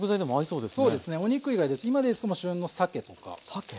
そうですねお肉以外ですと今ですと旬のさけとかさけ。